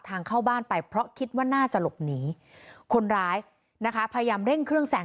เข้าบ้านไปเพราะคิดว่าน่าจะหลบหนีคนร้ายนะคะพยายามเร่งเครื่องแสง